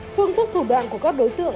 phương thức thủ đoạn của các đối tượng